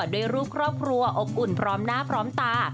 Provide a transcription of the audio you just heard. ด้วยรูปครอบครัวอบอุ่นพร้อมหน้าพร้อมตา